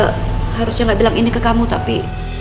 tante harusnya gak bilang ini ke kamu tapi